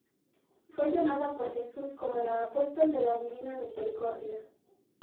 Fue llamada por Jesús como "la apóstol de la divina misericordia".